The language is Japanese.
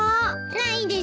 ないです。